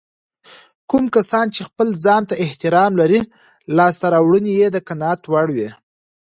کوم کسان چې خپل ځانته احترام لري لاسته راوړنې يې د قناعت وړ وي.